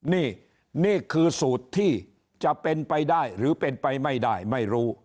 นี่นี่คือสูตรที่จะเป็นไปได้หรือเป็นไปไม่ได้ไม่รู้